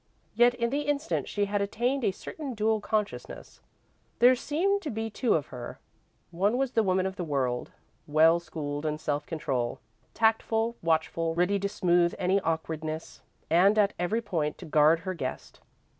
Yet, in the instant, she had attained a certain dual consciousness there seemed to be two of her. One was the woman of the world, well schooled in self control, tactful, watchful, ready to smooth any awkwardness, and, at every point, to guard her guest.